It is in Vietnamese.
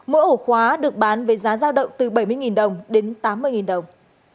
mỗi ổ khóa được bán với giá giao động từ bảy mươi đồng đến tám mươi đồng